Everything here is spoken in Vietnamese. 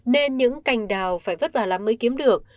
nên những cành đào phải vất vả lắm mới kiếm được